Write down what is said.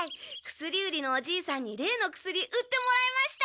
薬売りのおじいさんに例の薬売ってもらいました！